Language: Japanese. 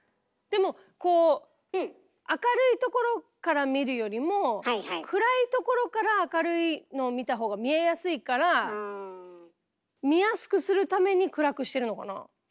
でもこう明るいところから見るよりも暗いところから明るいのを見た方が見えやすいから見やすくするために暗くしてるのかな。